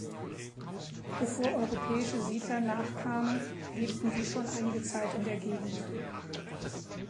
Bevor europäische Siedler nach kamen, lebten die schon einige Zeit in der Gegend.